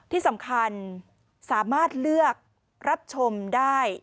ที่สำคัญสามารถเลือกรับชมได้